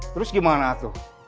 terus gimana tuh